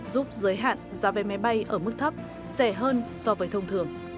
giúp giới hạn giá vé máy bay ở mức thấp rẻ hơn so với thông thường